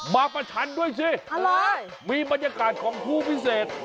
ประชันด้วยสิอะไรมีบรรยากาศของผู้พิเศษ